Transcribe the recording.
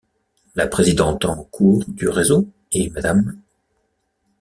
La présidente en cours du Réseau est Mme.